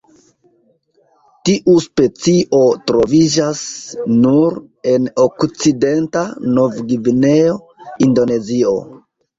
Tiu specio troviĝas nur en Okcidenta Nov-Gvineo, Indonezio.